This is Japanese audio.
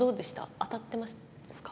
当たっていますか？